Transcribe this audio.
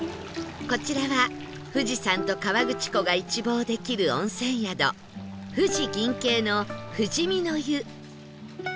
こちらは富士山と河口湖が一望できる温泉宿富士吟景の富士見の湯